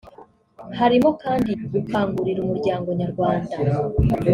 harimo kandi gukangurira umuryango nyarwanda